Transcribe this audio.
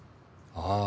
ああ。